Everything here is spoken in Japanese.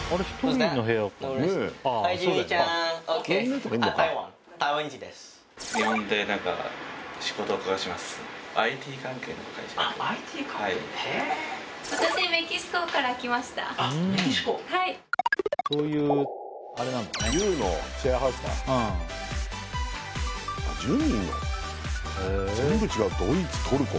全部違うドイツトルコ。